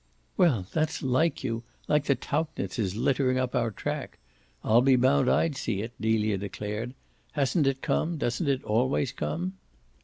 "Well, that's LIKE you like the Tauchnitzes littering up our track. I'll be bound I'd see it," Delia declared. "Hasn't it come, doesn't it always come?"